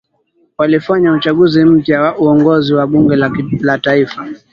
walifanya uchaguzi mpya wa uongozi wa bunge la taifa